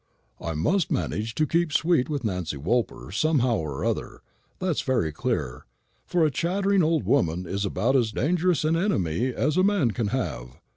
"I must manage to keep sweet with Nancy Woolper somehow or other, that's very clear; for a chattering old woman is about as dangerous an enemy as a man can have.